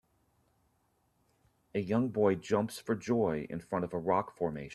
A young boy jumps for joy in front of a rock formation.